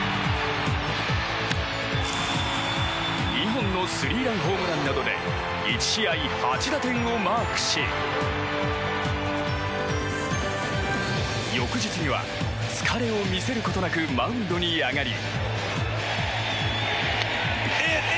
２本のスリーランホームランなどで１試合８打点をマークし翌日には疲れを見せることなくマウンドに上がり。